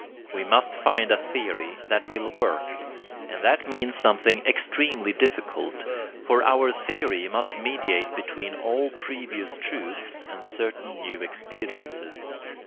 We must find a theory that will WORK; and that means something extremely difficult; for our theory must mediate between all previous truths and certain new experiences.